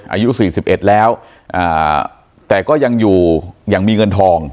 อายุ๔๑แล้วแต่ก็ยังอยู่ยังมีเงินทอง